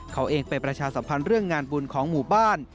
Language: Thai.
เขาเองไปประชาสัมพันธ์เรื่องงานบุญของหมู่บ้าน